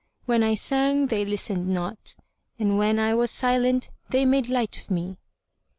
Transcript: When I sang, they listened not, and when I was silent, they made light of me."